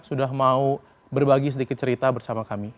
sudah mau berbagi sedikit cerita bersama kami